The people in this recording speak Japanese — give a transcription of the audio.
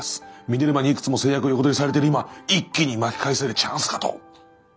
ミネルヴァにいくつも成約横取りされてる今一気に巻き返せるチャンスかと。